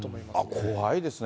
怖いですね。